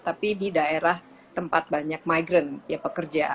tapi di daerah tempat banyak migrant ya pekerja